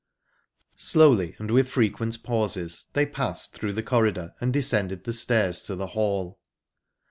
Slowly and with frequent pauses, they passed through the corridor and descended the stairs to the hall.